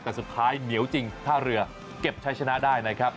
แต่สุดท้ายเหนียวจริงท่าเรือเก็บใช้ชนะได้นะครับ